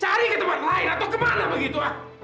cari ke tempat lain atau kemana begitu